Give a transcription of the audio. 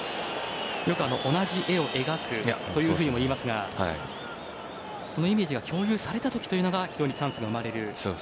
よく同じ絵を描くというふうにもいいますがそのイメージが共有された時が非常にチャンスが生まれる。